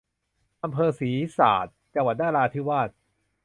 อำเภอศรีสาคร จังหวัดนราธิวาส